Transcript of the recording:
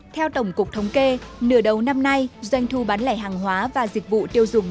theo tổng cục thống kê nửa đầu năm nay doanh thu bán lẻ hàng hóa và dịch vụ tiêu dùng